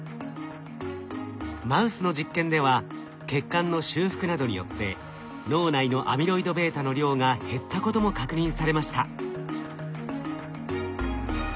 マウスの実験では血管の修復などによって脳内のアミロイドβの量が減ったことも確認されました。